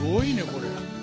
これ。